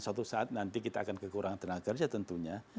suatu saat nanti kita akan kekurangan tenaga kerja tentunya